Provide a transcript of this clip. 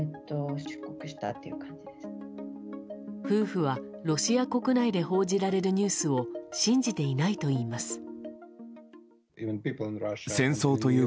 夫婦は、ロシア国内で報じられるニュースを信じていないといいます。